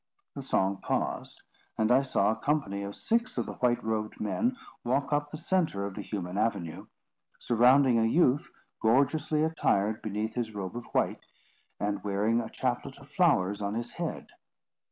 The song paused; and I saw a company of six of the white robed men walk up the centre of the human avenue, surrounding a youth gorgeously attired beneath his robe of white, and wearing a chaplet of flowers on his head.